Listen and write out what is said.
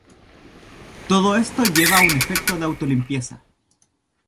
Todo esto lleva a un efecto de auto-limpieza.